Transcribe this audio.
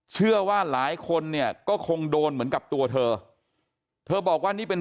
เชื่อว่าหลายคนเนี่ยก็คงโดนเหมือนกับตัวเธอเธอบอกว่านี่เป็น